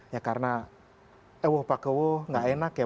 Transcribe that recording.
ya karena eh wah pak kewo nggak enak ya